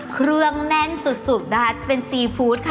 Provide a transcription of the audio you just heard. เครื่องแน่นสุดนะคะจะเป็นซีฟู้ดค่ะ